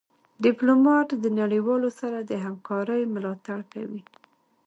ډيپلومات د نړېوالو سره د همکارۍ ملاتړ کوي.